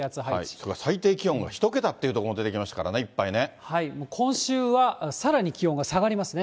それから最低気温が１桁っていう所も出てきますからね、いっ今週はさらに気温が下がりますね。